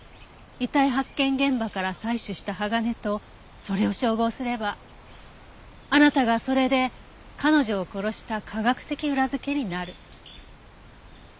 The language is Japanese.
遺体発見現場から採取した鋼とそれを照合すればあなたがそれで彼女を殺した科学的裏付けになる。